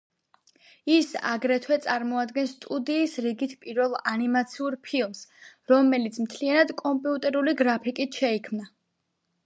ის აგრეთვე წარმოადგენს სტუდიის რიგით პირველ ანიმაციურ ფილმს, რომელიც მთლიანად კომპიუტერული გრაფიკით შეიქმნა.